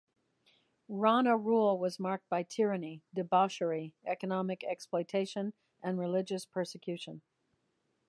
Rana rule was marked by tyranny, debauchery, economic exploitation and religious persecution.